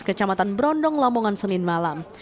kecamatan brondong lamongan senin malam